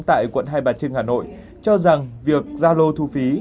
tại quận hai bà trưng hà nội cho rằng việc zalo thu phí